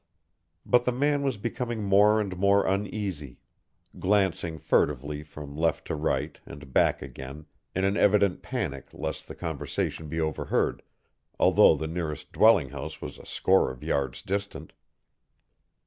But the man was becoming more and more uneasy, glancing furtively from left to right and back again, in an evident panic lest the conversation be overheard, although the nearest dwelling house was a score of yards distant.